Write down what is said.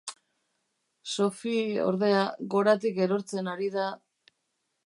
Sophie, ordea, goratik erortzen ari da...